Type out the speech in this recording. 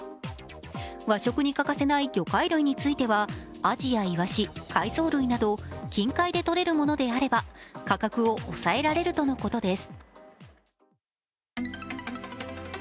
和食に欠かせない魚介類についてはあじやいわし、海藻類など近海でとれるものであれば価格を抑えられるとのことです。